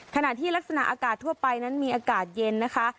ขณะที่ลักษณะอากาศทั่วไปนั้นมีอากาศเย็นนะคะ